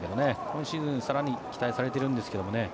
今シーズン更に期待されているんですけどね